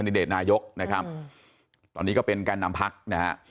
เพิ่มขนาดหนายกนะครับตอนนี้ก็เป็นการนำภักดิ์นะครับ